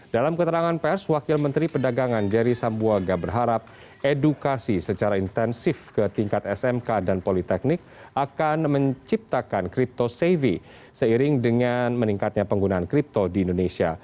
dalam keterangan pers wakil menteri pedagangan jerry sambuaga berharap edukasi secara intensif ke tingkat smk dan politeknik akan menciptakan crypto safety seiring dengan meningkatnya penggunaan kripto di indonesia